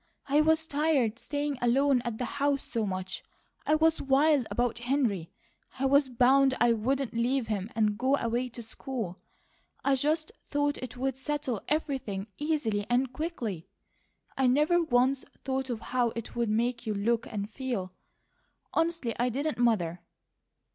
I was TIRED staying alone at the house so much, I was WILD about Henry, I was BOUND I wouldn't leave him and go away to school. I just thought it would settle everything easily and quickly. I never once thought of how it would make you look and feel. Honestly I didn't, Mother.